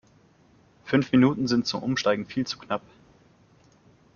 Fünf Minuten sind zum Umsteigen viel zu knapp.